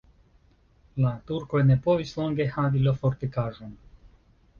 La turkoj ne povis longe havi la fortikaĵon.